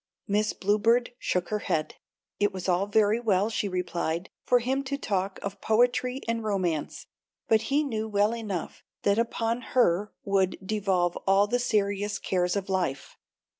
Miss Bluebird shook her head. It was all very well, she replied, for him to talk of poetry and romance, but he knew well enough that upon her would devolve all the serious cares of life.